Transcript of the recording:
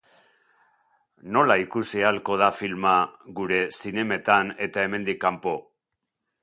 Nola ikusi ahalko da filma gure zinemetan eta hemendik kanpo?